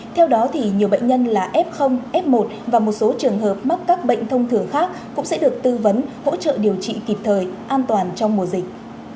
theo đó nhiều bệnh nhân là f f một và một số trường hợp mắc các bệnh thông thường khác cũng sẽ được tư vấn hỗ trợ điều trị kịp thời an toàn trong mùa dịch